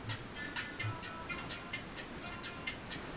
Al acto asiste el alcalde Alberto Alcocer en su segunda investidura.